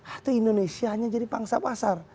atau indonesia hanya jadi pangsa pasar